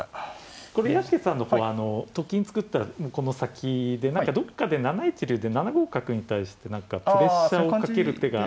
これ屋敷さんの方と金作ったらこの先で何かどっかで７一竜で７五角に対して何かプレッシャーをかける手が。